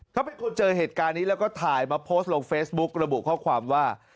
เขาเป็นคนเจอเหตุการณ์นี้แล้วก็ถ่ายมาโพสต์ลงเฟซบุ๊กระบุข้อความว่า